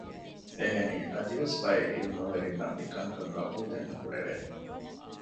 އެހެނީ އަދިވެސް ބައެއް ޢިލްމުވެރިންނަށް މިކަންކަން ޤަބޫލެއް ނުކުރެވެ